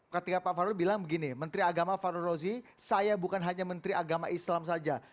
ketika pak fahru bilang begini menteri agama fahrul rozi saya bukan hanya menteri agama islam saja